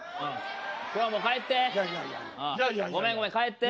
今日はもう帰って。